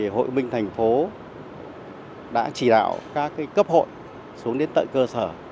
hội minh thành phố đã chỉ đạo các cấp hội xuống đến tận cơ sở